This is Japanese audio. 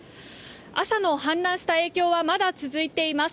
朝の氾濫した影響はまだ続いています。